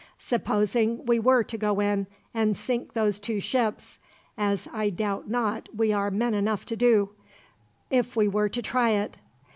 Supposing we were to go in, and sink those two ships; as I doubt not we are men enough to do, if we were to try it.